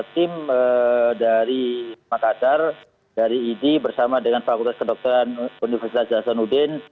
tim dari makassar dari idi bersama dengan fakultas kedokteran universitas jasanuddin